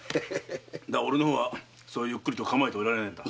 だが俺はそうゆっくりと構えてもいられないのだ。